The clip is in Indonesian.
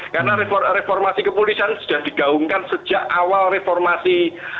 karena reformasi kepolisian sudah digaungkan sejak awal reformasi seribu sembilan ratus sembilan puluh delapan